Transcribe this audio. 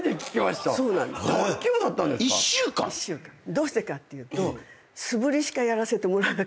どうしてかっていうと素振りしかやらせてもらえなかったんですよ。